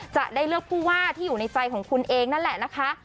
จะได้เลือกผู้ว่าที่อยู่ในใจของคุณเองนั่นแหละนะคะ